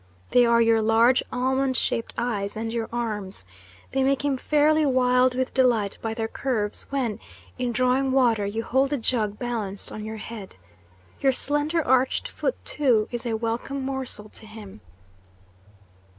They are your large almond shaped eyes and your arms. They make him fairly wild with delight by their curves when, in drawing water, you hold the jug balanced on your head. Your slender arched foot, too, is a welcome morsel to him."